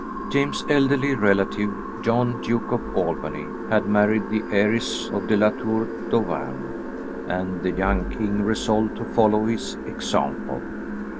James's elderly relative, John, Duke of Albany, had married the heiress of De la Tour d'Auvergne, and the young king resolved to follow his example.